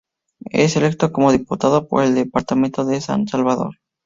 Es electo como diputado por el Departamento de San Salvador.